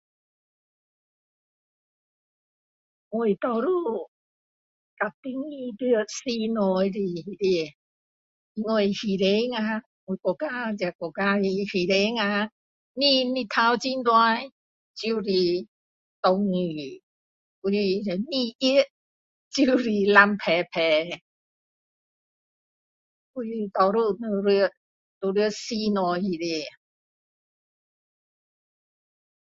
我多数都是在室内里面我外面啊我国家我国家的外面啊不是太阳很热就是下雨不是干燥就是湿嗒嗒的所以多数都在室内里面